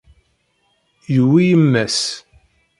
Yuwi yemma-s.